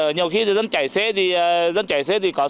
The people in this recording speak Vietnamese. nhiều khi dân chạy xe thì có xe đường